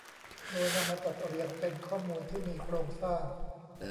โดยนำมาจัดเรียงเป็นข้อมูลที่มีโครงสร้าง